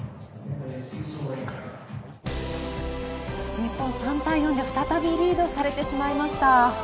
日本、３対４で再びリードされてしまいました。